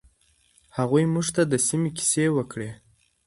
هغوی موږ ته د سیمې کیسې وکړې.